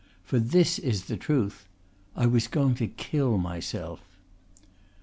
For this is the truth: I was going to kill myself."